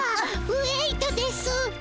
ウェイトです！